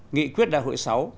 nghị quyết đại hội vi